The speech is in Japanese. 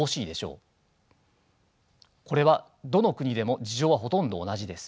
これはどの国でも事情はほとんど同じです。